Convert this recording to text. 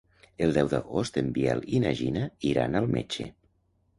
El deu d'agost en Biel i na Gina iran al metge.